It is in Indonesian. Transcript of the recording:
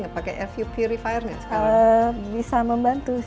nggak sekarang bisa membantu